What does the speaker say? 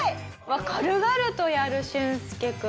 軽々とやる俊介君。